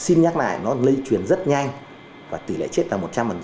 xin nhắc lại nó lây truyền rất nhanh và tỷ lệ chết là một trăm linh